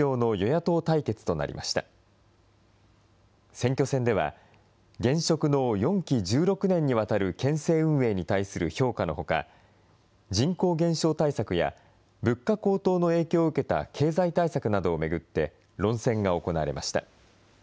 選挙戦では、現職の４期１６年にわたる県政運営に対する評価のほか、人口減少対策や、物価高騰の影響を受けた経済対策などを巡って、論戦が行われました。